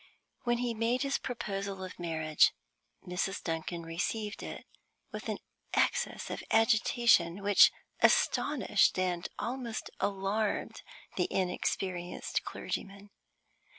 When he made his proposal of marriage, Mrs. Duncan received it with an excess of agitation which astonished and almost alarmed the inexperienced clergyman.